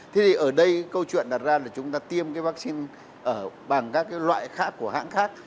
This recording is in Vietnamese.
thế thì ở đây câu chuyện đặt ra là chúng ta tiêm cái vaccine bằng các cái loại khác của hãng khác